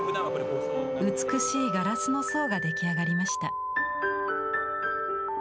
美しいガラスの層が出来上がりました。